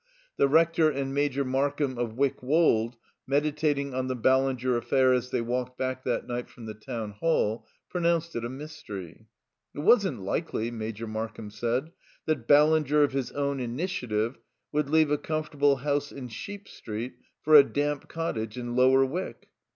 The Rector and Major Markham of Wyck Wold, meditating on the Ballinger affair as they walked back that night from the Town Hall, pronounced it a mystery. "It wasn't likely," Major Markham said, "that Ballinger, of his own initiative, would leave a comfortable house in Sheep Street for a damp cottage in Lower Wyck."